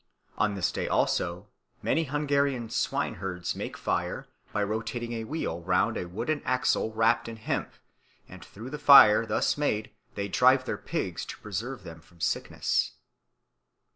On this day also many Hungarian swineherds make fire by rotating a wheel round a wooden axle wrapt in hemp, and through the fire thus made they drive their pigs to preserve them from sickness.